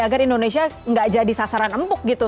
agar indonesia nggak jadi sasaran empuk gitu